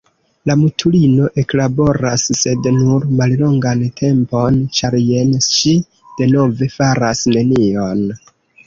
La mutulino eklaboras, sed nur mallongan tempon, ĉar jen ŝi denove faras nenion.